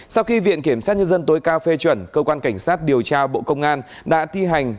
sau khi viện kiểm sát nhân dân tối cao phê chuẩn cơ quan cảnh sát điều tra bộ công an đã thi hành